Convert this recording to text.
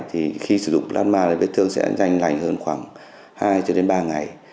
thì khi sử dụng plasma vết thương sẽ dành lành hơn khoảng hai ba ngày